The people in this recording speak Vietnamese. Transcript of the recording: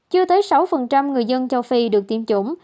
chưa tới sáu người dân châu phi được tiêm chủng